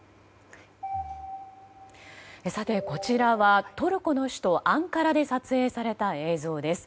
こちらはトルコの首都アンカラで撮影された映像です。